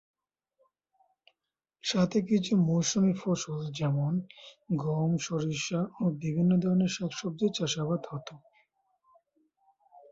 সাথে কিছু মৌসুমি ফসল যেমনঃ গম, সরিষা ও বিভিন্ন ধরনের শাক সবজি চাষাবাদ হতো।